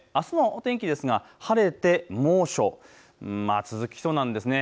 いちばん上、あすもお天気ですが晴れて猛暑続きそうなんです。